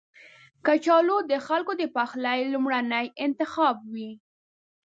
کچالو د خلکو د پخلي لومړنی انتخاب وي